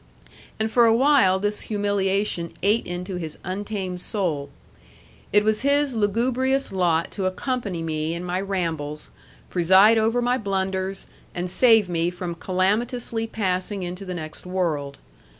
And for a while this humiliation ate into his untamed soul. It was his lugubrious lot to accompany me in my rambles, preside over my blunders, and save me from calamitously passing into the next world.